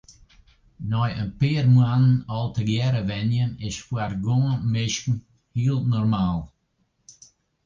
Nei in pear moannen al tegearre wenje is foar guon minsken hiel normaal.